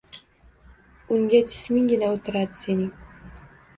Unga jisminggina o’tiradi sening